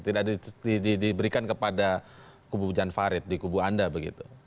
tidak diberikan kepada kubu jan farid di kubu anda begitu